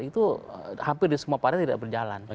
itu hampir di semua partai tidak berjalan